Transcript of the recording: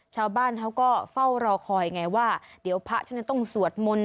ชาวบ้านเขาก็เฝ้ารอคอยไงว่าเดี๋ยวพระท่านจะต้องสวดมนต์